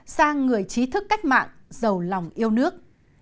sang người trí thức cách mạng giàu lòng yêu nước